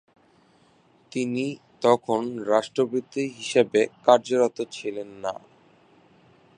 তিনি তখন রাষ্ট্রপতি হিসেবে কার্যরত ছিলেন না।